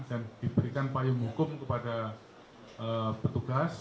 dan diberikan payung hukum kepada petugas